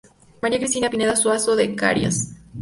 María Cristina Pineda Suazo de Carias.